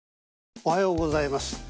おはようございます。